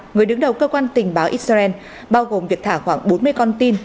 người đứng đầu cơ quan tình báo israel bao gồm việc thả khoảng bốn mươi con tin